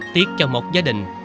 tiếc cho một gia đình